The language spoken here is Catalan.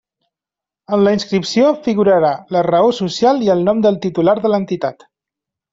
En la inscripció figurarà la raó social i el nom del titular de l'entitat.